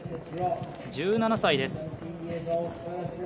１７歳です。